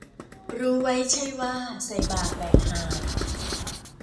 รู้ไว้ใช่ว่า ใส่บ่าแบกหาม